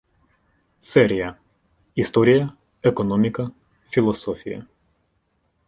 Серія: Історія, економіка, філософія.